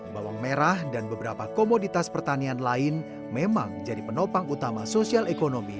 bawang merah dan beberapa komoditas pertanian lain memang jadi penopang utama sosial ekonomi